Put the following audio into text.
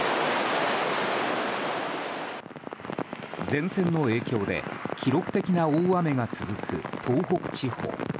前線の影響で記録的な大雨が続く東北地方。